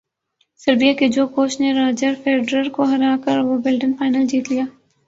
Serbia کے جوکووچ نے راجر فیڈرر کو ہرا کر ومبلڈن فائنل جیت لیا